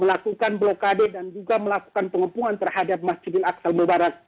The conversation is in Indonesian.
melakukan blokade dan juga melakukan pengepungan terhadap masjid al aqsal mubarak